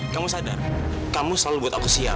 kamu sadar kamu selalu buat aku siap